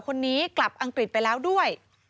คนนี้กลับอังกฤษไปแล้วด้วย